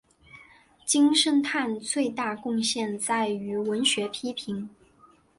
金圣叹最大贡献在于文学批评。